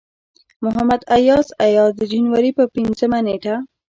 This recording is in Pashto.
محمد اياز اياز د جنوري پۀ پينځمه نيټه